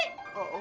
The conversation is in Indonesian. eh ya ampun